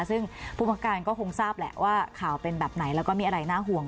ซึ่งผู้ประการก็คงทราบแหละว่าข่าวเป็นแบบไหนแล้วก็มีอะไรน่าห่วง